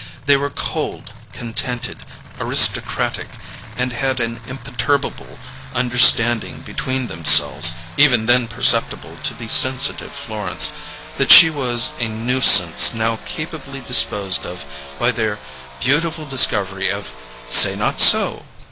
They were cold, contented, aristocratic; and had an imperturbable understanding between themselves (even then perceptible to the sensitive Florence) that she was a nuisance now capably disposed of by their beautiful discovery of "Say not so!"